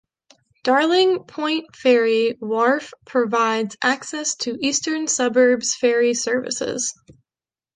Darling Point ferry wharf provides access to Eastern Suburbs ferry services.